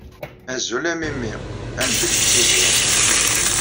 Azul a Mimi! Amek i tettiliḍ?